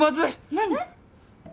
何！？